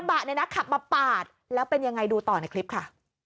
กระบะเนี่ยนะขับมาปาดแล้วเป็นยังไงดูต่อในคลิปค่ะ